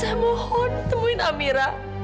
saya mohon temuin amira